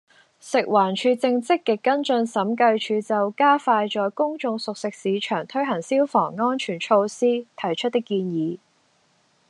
食環署正積極跟進審計署就加快在公眾熟食市場推行消防安全措施提出的建議